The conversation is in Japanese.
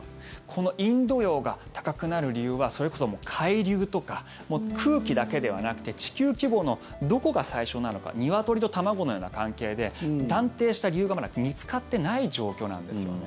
このインド洋が高くなる理由はそれこそ海流とか空気だけではなくて地球規模のどこが最初なのかニワトリと卵のような関係で断定した理由がまだ見つかってない状況なんですよね。